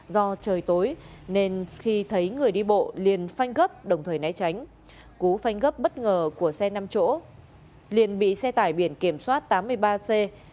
do trời tối nên khi thấy người đi bộ liền phanh gấp đồng thời né tránh cú phanh gấp bất ngờ của xe năm chỗ liền bị xe tải biển kiểm soát tám mươi ba c bảy nghìn ba trăm ba mươi một